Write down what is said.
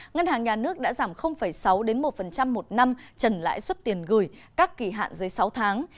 ngân hàng nhà nước đã giảm sáu một một năm trần lãi suất tiền gửi các kỳ hạn dưới sáu tháng